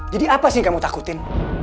jadi apa sih yang kamu takutin